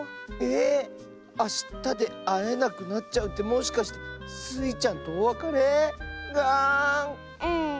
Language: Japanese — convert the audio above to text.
えっ⁉あしたであえなくなっちゃうってもしかしてスイちゃんとおわかれ⁉がん！